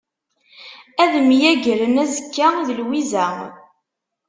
Ad myagreɣ azekka d Lwiza.